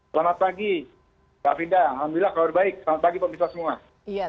selamat pagi pak frida alhamdulillah kalau baik selamat pagi pak bisa semua